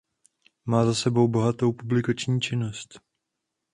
Má za sebou bohatou publikační činnost.